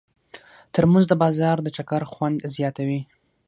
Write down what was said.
ترموز د بازار د چکر خوند زیاتوي.